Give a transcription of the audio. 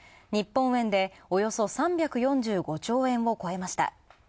日本円でおよそ３４５兆円を超えました。